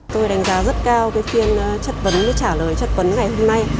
tôi đánh giá rất cao phiên chất vấn trả lời chất vấn ngày hôm nay